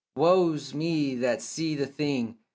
woe's me that see the thing!